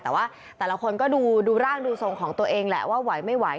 แต่ว่าแต่ละคนก็ดูร่างดูทรงของตัวเองแหละว่าไหวไม่ไหว